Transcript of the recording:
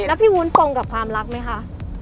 แล้วพี่วุ้นตรงกับความรักไหมคะ